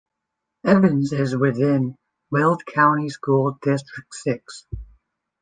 Evans is within Weld County School District Six.